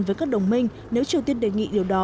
với các đồng minh nếu triều tiên đề nghị điều đó